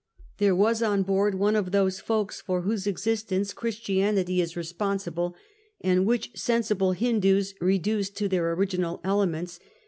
There was on board one of those folks for whose existence Christianity is responsible, and which sensible Hindoos reduce to their original elements, viz.